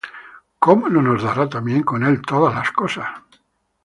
¿cómo no nos dará también con él todas las cosas?